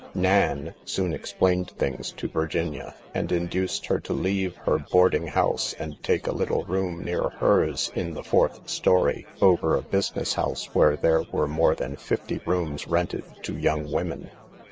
Nan soon explained things to Virginia, and induced her to leave her board ing house and take a little room near her's in' the fourth story, over a business house where there were more than fifty rooms rented to young women.